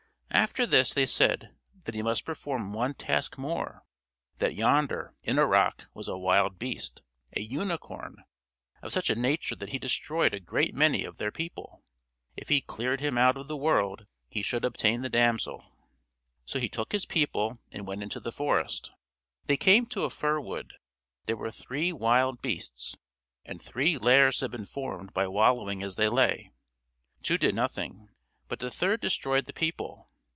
After this they said that he must perform one task more; that yonder, in a rock, was a wild beast, a unicorn, of such a nature that he destroyed a great many of their people; if he cleared him out of the world he should obtain the damsel. So he took his people and went into the forest. They came to a firwood. There were three wild beasts, and three lairs had been formed by wallowing as they lay. Two did nothing: but the third destroyed the people.